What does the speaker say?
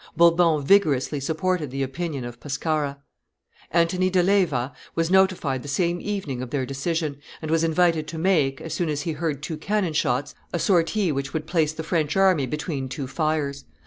Bourbon vigorously supported the opinion of Pescara. Antony de Leyva was notified the same evening of their decision, and was invited to make, as soon as he heard two cannon shots, a sortie which would place the French army between two fires.